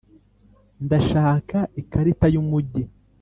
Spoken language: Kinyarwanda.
ndashaka ikarita yumujyi.